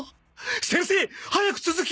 先生早く続きを！